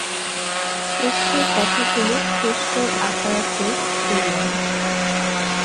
কেষ্টর কথাগুলো কেষ্টর কাকারে কইলাম।